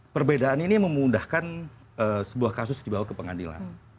perbedaan ini memudahkan sebuah kasus dibawa ke pengadilan